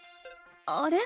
あれ？